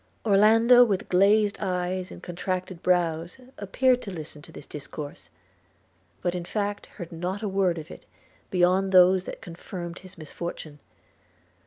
Orlando with glazed eyes and contracted brows appeared to listen to this discourse; but, in fact, heard not a word of it beyond those that confirmed his misfortune.